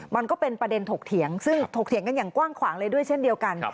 มันก็เป็นประเด็นถกเถียงซึ่งถกเถียงกันอย่างกว้างขวางเลยด้วยเช่นเดียวกัน